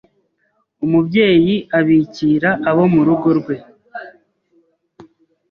Umubyeyi abikira abomurugo rwe